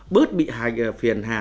bớt bị phiền hà